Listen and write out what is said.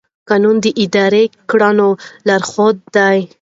قانون د ادارې د کړنو لارښود دی.